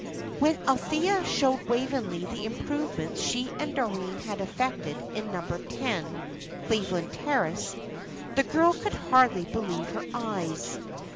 When Althea showed Waveney the improvements she and Doreen had effected in Number Ten, Cleveland Terrace, the girl could hardly believe her eyes.